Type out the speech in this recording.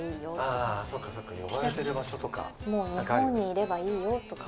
もう日本にいればいいよとか。